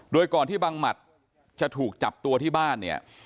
โดยก่อนที่บังมัติจะถูกจับตัวที่บ้าน